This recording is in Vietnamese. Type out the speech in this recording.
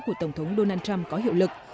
của tổng thống donald trump có hiệu lực